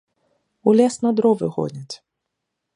У лес на дровы гоняць.